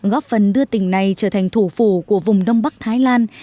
góp phần đưa tỉnh này trở thành thủ phủ của vùng đông bắc thái lan